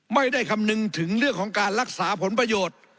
ไม่ได้คำนึงถึงเรื่องของการรักษาผลประโยชน์